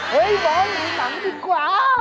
เฮ่ยบอลดูหนังดีกว่า